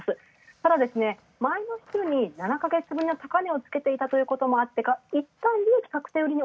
ただですね、前の月に７ヶ月ぶりに高値をつけていたということもあってかいったん利益確定売りに。